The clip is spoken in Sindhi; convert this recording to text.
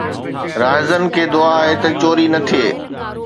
راهزن کي دعا آهي ته چوري نه ٿئي